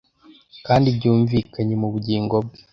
kandi byumvikanye mu bugingo bwe,